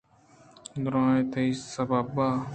دُرٛاہ تئی سبب ءَ